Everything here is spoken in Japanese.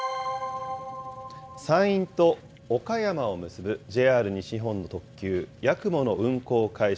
山陰と岡山を結ぶＪＲ西日本の特急やくもの運行開始